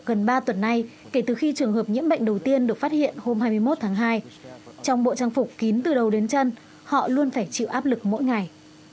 gần ba tuần nay kể từ khi trường hợp nhiễm bệnh đầu tiên được phát hiện hôm hai mươi một tháng hai trong bộ trang phục kín từ đầu đến chân họ luôn phải chịu áp lực mỗi ngày